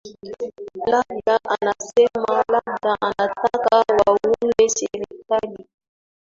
labda anasema labda anataka waunge serikali